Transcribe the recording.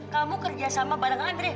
kamu kerja sama bareng andrei